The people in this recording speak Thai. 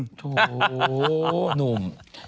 โถหนุ่ม